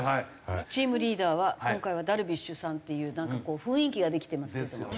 チームリーダーは今回はダルビッシュさんっていうこう雰囲気ができてますけども。ですよね。